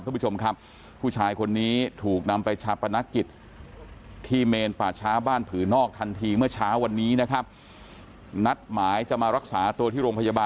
ยังไม่ทันถึงโรงพยาบาลทุกผู้ชมครับ